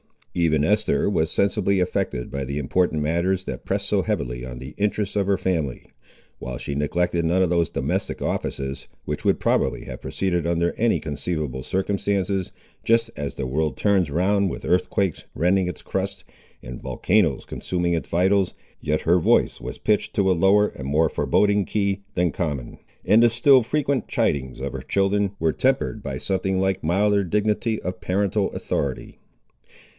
Even Esther was sensibly affected by the important matters that pressed so heavily on the interests of her family. While she neglected none of those domestic offices, which would probably have proceeded under any conceivable circumstances, just as the world turns round with earthquakes rending its crust and volcanoes consuming its vitals, yet her voice was pitched to a lower and more foreboding key than common, and the still frequent chidings of her children were tempered by something like the milder dignity of parental authority.